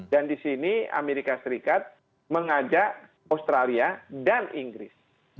dan di sini amerika serikat mengajak australia dan inggris